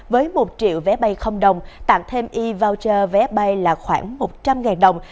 với một triệu vé bay không đồng tặng thêm e viocher vé bay là khoảng một trăm linh đồng